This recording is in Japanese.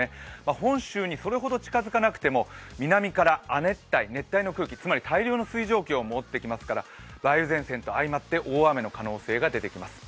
本州にそれほど近づかなくても南から亜熱帯、熱帯の空気、つまり大量の水蒸気を持ってきますから梅雨前線と相まって大雨の可能性が出てきます。